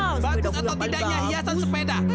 bagus atau tidaknya hiasan sepeda